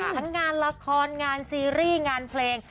ทั้งงานละครงานซีรีส์งานเพลง